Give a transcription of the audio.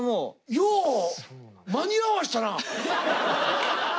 よう間に合わしたな！